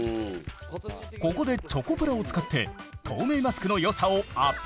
ここでチョコプラを使って透明マスクのよさをアピール。